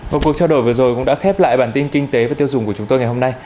và cuộc trao đổi vừa rồi cũng đã khép lại bản tin kinh tế và tiêu dùng của chúng tôi ngày hôm nay